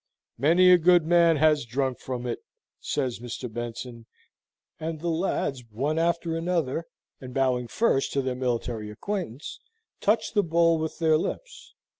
"Many a good man has drunk from it," says Mr. Benson; and the lads one after another, and bowing first to their military acquaintance, touched the bowl with their lips.